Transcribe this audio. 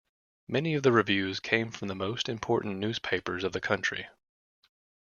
Many of the reviews came from the most important newspapers of the country.